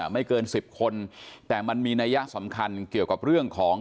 ไม่เกินสิบคนแต่มันมีนัยสำคัญเกี่ยวกับเรื่องของ